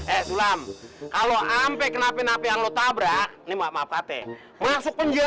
eh sulam kalo ampe kena penapian lo tabrak ini maaf maaf kate masuk penjara lo